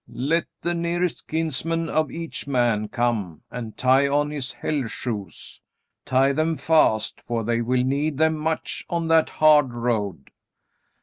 Let the nearest kinsman of each man come and tie on his hell shoes. Tie them fast, for they will need them much on that hard road."